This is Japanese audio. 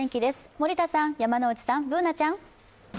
森田さん、山内さん、Ｂｏｏｎａちゃん。